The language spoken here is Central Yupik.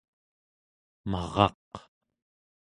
maraq